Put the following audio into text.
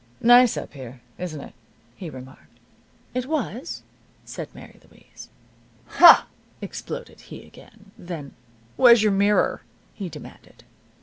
"Nice up here, isn't it?" he remarked. "It was," said Mary Louise. "Ha!" exploded he, again. Then, "Where's your mirror?" he demanded.